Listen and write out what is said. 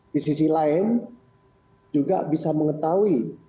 di sisi lain juga bisa mengetahui